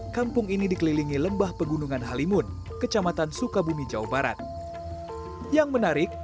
kampung cipta gelar